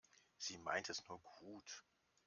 Sie meint es nur gut.